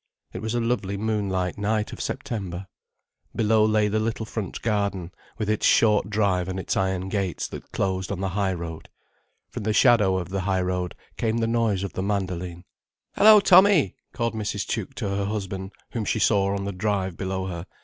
It was a lovely moonlight night of September. Below lay the little front garden, with its short drive and its iron gates that closed on the high road. From the shadow of the high road came the noise of the mandoline. "Hello, Tommy!" called Mrs. Tuke to her husband, whom she saw on the drive below her.